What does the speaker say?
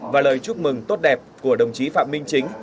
và lời chúc mừng tốt đẹp của đồng chí phạm minh chính